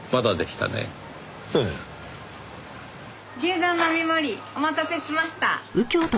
牛丼並盛お待たせしました。